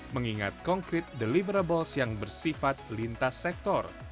mengingat konkret deliverables yang bersifat lintas sektor